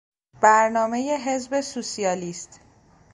برنامهی حزب سوسیالیست